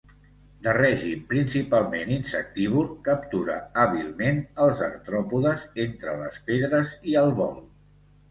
De règim principalment insectívor, captura hàbilment els artròpodes entre les pedres i al vol.